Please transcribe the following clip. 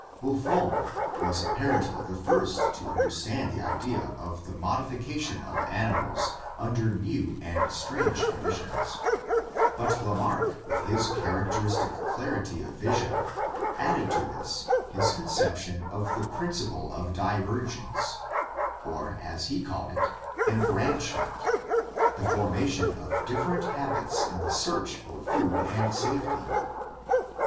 Buffon was apparently the first to understand the idea of the modification of animals under new and strange conditions, but Lamarck, with his characteristic clarity of vision, added to this his conception of the principle of divergence, or as he called it, "embranchement" — the formation of different habits in the search for food and safety.